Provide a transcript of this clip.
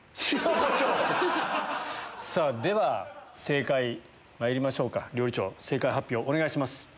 では正解まいりましょうか料理長正解発表お願いします。